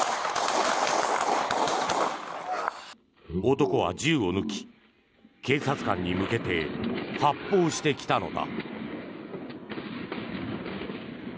男は銃を抜き警察官に向けて発砲してきたのだ。